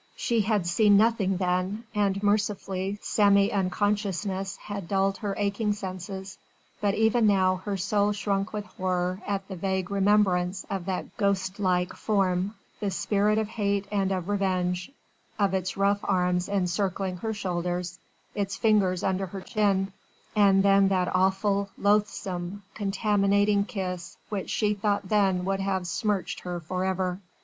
She had seen nothing then, and mercifully semi unconsciousness had dulled her aching senses, but even now her soul shrunk with horror at the vague remembrance of that ghostlike form the spirit of hate and of revenge of its rough arms encircling her shoulders, its fingers under her chin and then that awful, loathsome, contaminating kiss which she thought then would have smirched her for ever.